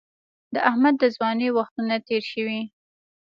د احمد د ځوانۍ وختونه تېر شوي